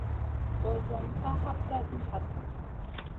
Ɓosionna ka hapta zi hatna.